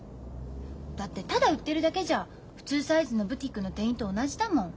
だってただ売ってるだけじゃ普通サイズのブティックの店員と同じだもん。